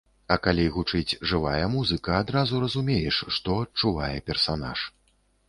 А калі гучыць жывая музыка, адразу разумееш, што адчувае персанаж.